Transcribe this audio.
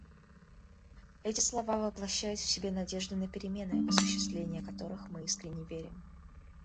Эти слова воплощают в себе надежду на перемены, в осуществление которых мы искренне верим.